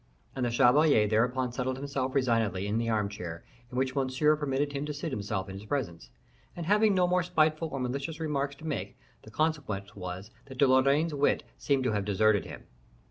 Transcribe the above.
And the chevalier thereupon settled himself resignedly in the armchair in which Monsieur permitted him to seat himself in his presence, and, having no more spiteful or malicious remarks to make, the consequence was that De Lorraine's wit seemed to have deserted him.